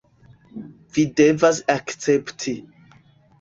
Vi devas akcepti